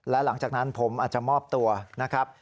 และหลังจากนั้นผมอาจจะมอบตัวนะครับ